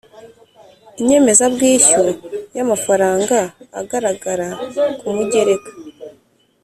inyemezabwishyu y’amafaranga agaragara ku mugereka.